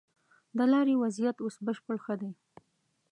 د لارې وضيعت اوس بشپړ ښه دی.